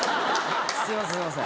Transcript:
すいませんすいません。